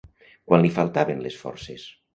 Quan li faltaven les forces?